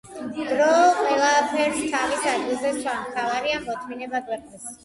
დრო ყველასფერს თავის ადგილზე სვამს, მთავარია მოთმინება გვეყოს